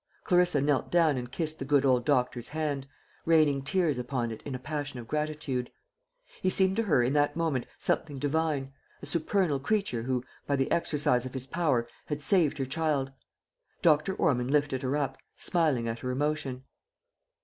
Clarissa knelt down and kissed the good old doctor's hand, raining tears upon it in a passion of gratitude. He seemed to her in that moment something divine, a supernal creature who, by the exercise of his power, had saved her child. Dr. Ormond lifted her up, smiling at her emotion.